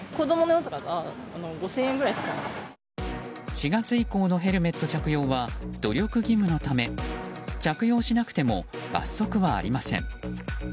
４月以降のヘルメット着用は努力義務のため着用しなくても罰則はありません。